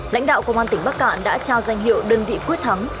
lãnh đạo công an tỉnh bắc cạn đã trao danh hiệu đơn vị quyết thắng